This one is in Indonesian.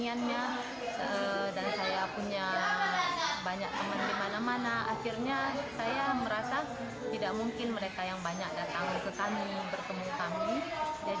dan saya punya banyak teman di mana mana akhirnya saya merasa tidak mungkin mereka yang banyak datang ke kami bertemu kami